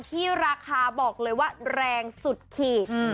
ที่ราคาบอกเลยว่าแรงสุดขีด